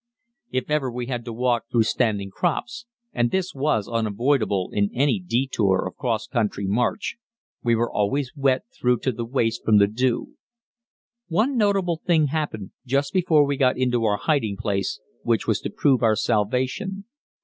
If ever we had to walk through standing crops and this was unavoidable in any detour of cross country march we were always wet through to the waist from the dew. One notable thing happened just before we got into our hiding place, which was to prove our salvation.